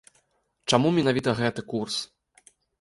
Чаму менавіта гэты курс?